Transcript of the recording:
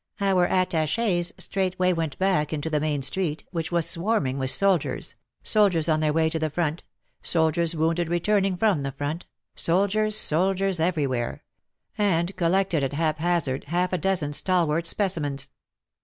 Our attaches straightway went back into the main street, which was swarming with soldiers — soldiers on their way to the front, soldiers wounded return ing from the front, soldiers, soldiers every where — and collected at haphazard half a dozen stalwart specimens.